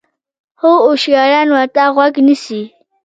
خو هوشیاران ورته غوږ نیسي.